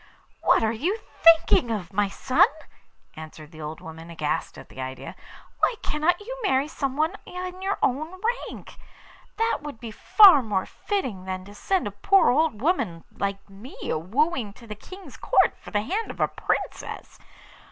'What are you thinking of, my son?' answered the old woman, aghast at the idea. 'Why cannot you marry someone in your own rank? That would be far more fitting than to send a poor old woman like me a wooing to the King's Court for the hand of a Princess.